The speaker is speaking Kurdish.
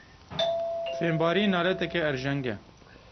Fêmbarî naleteke erjeng e.